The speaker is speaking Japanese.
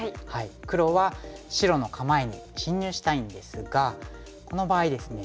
黒は白の構えに侵入したいんですがこの場合ですね